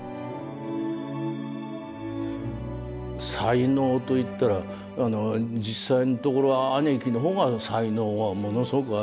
才能といったら実際のところは兄貴の方が才能はものすごくありました若い時からね。